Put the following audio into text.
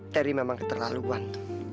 teri memang keterlaluan